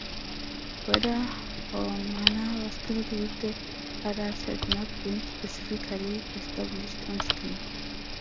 Whether Romana was killed with the others had not been specifically established on screen.